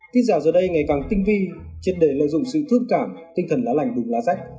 tin giả giờ đây ngày càng tinh vi trên đề lợi dụng sự thương cảm tinh thần lá lành bùng lá rách